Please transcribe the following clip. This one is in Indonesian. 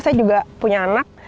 saya juga punya anak